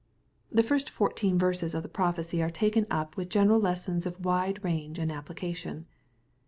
The first fourteen verses of the prophecy are taken up with general lessons of wide range and application.